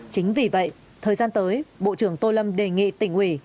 chính vì vậy thời gian tới bộ trưởng tô lâm đề nghị tỉnh ủy